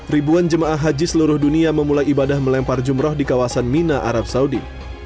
ribuan jemaah haji seluruh dunia memulai ibadah melempar jumroh di kawasan mina arab saudi